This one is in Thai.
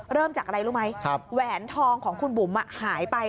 เริ่มจากอะไรรู้ไหมแหวนทองของคุณบุ๋มหายไป